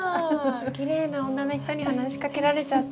きれいな女の人に話しかけられちゃって。